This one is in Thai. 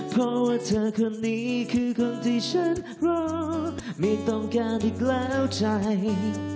เพราะว่าเธอคนนี้คือคนที่ฉันรอไม่ต้องแก้อีกแล้วใจ